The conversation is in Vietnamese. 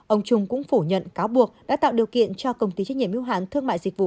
ông trung cũng phủ nhận cáo buộc đã tạo điều kiện cho công ty trách nhiệm yêu hạn thương mại dịch vụ